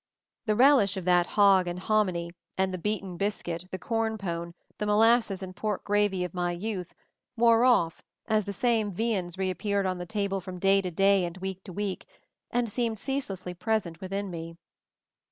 The relish of that "hog and hominy" and the beaten biscuit, the corn pone, the mo lasses and pork gravy of my youth, wore off as the same viands reappeared on the table 286 MOVING THE MOUNTAIN from day to day and week to week, and seemed ceaselessly present within me.